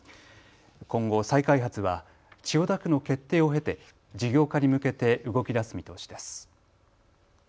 今後、再開発は千代田区の決定を経て、事業化に向けて動きだす見通しです。